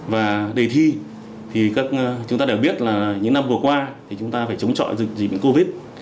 và đề thi thì chúng ta đều biết là những năm vừa qua thì chúng ta phải chống chọi dịch dịch covid